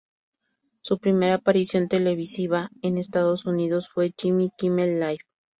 Su primera aparición televisiva en Estados Unidos fue en "Jimmy Kimmel Live!